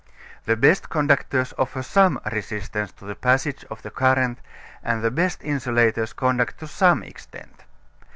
The best conductors offer some resistance to the passage of the current and the best insulators conduct to some extent.